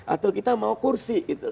atau kita mau kursi